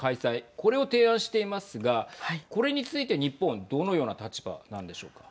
これを提案していますがこれについて日本はどのような立場なんでしょうか。